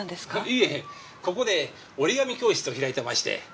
いえここで折り紙教室を開いてまして。